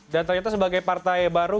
dan ternyata sebagai partai baru